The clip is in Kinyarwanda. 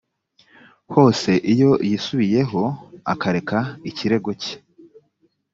hose iyo yisubiyeho akareka ikirego cye